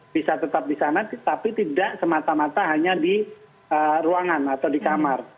bisa tetap di sana tapi tidak semata mata hanya di ruangan atau di kamar